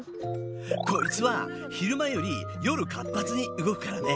こいつは昼間より夜活発に動くからね。